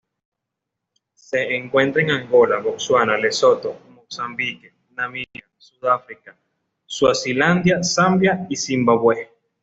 Se encuentra en Angola, Botsuana, Lesoto, Mozambique, Namibia, Sudáfrica, Suazilandia, Zambia y Zimbabue.